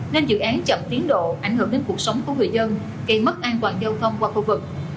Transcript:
nên dự án chậm tiến độ ảnh hưởng đến cuộc sống của người dân gây mất an toàn giao thông qua khu vực